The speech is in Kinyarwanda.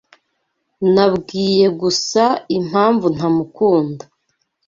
Nabwiye gusa impamvu ntamukunda.